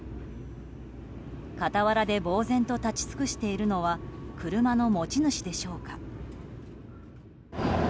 傍らでぼうぜんと立ち尽くしているのは車の持ち主でしょうか。